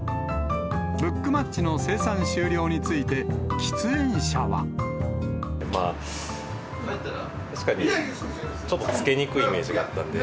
ブックマッチの生産終了につ確かに、ちょっとつけにくいイメージがあったんで。